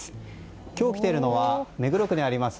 今日来ているのは目黒区にあります